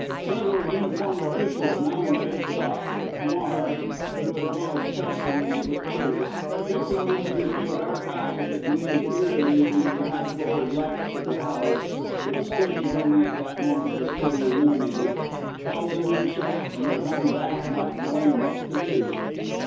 Several uniformed officials now invaded the box, but Hamar who, as well as Kelson, was with Curtis fixing them with his big dark eyes that gleamed eerily in the half lowered lights of the house for the stage only at that moment was fully illuminated held them in check, and they hung back not knowing what to do.